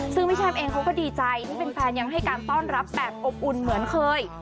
ซึ่งพี่แช่มเองเขาก็ดีใจที่แฟนยังให้การต้อนรับแบบอบอุ่นเหมือนเคย